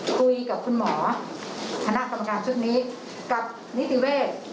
คุยกับคุณหมอซื้อทางนี้กับนิติเวท